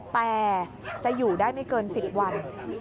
แต่จะอยู่ได้ไม่เกิน๑๐วัน